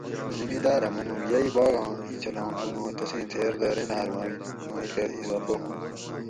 زمینداۤر اۤ منُو: یئ باغ آں ایں چھلاں پھونڑ اُوں تسیں تھیر دہ ریناۤر مئ کہ اضافہ ہواں